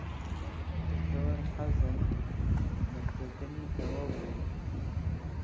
زۆر حەزم لە کردنی ئەوە بوو.